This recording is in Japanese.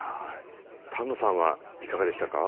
丹野さんはいかがでしたか？